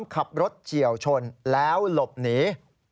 ขับรถเฉียวชนแล้วหลบหนี